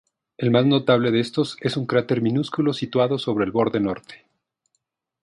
El más notable de estos es un cráter minúsculo situado sobre el borde norte.